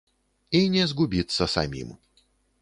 І не згубіцца самім.